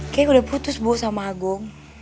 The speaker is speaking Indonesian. kayaknya udah putus bu sama agung